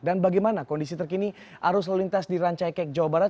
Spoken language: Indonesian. dan bagaimana kondisi terkini arus lalu lintas di ranca ekek jawa barat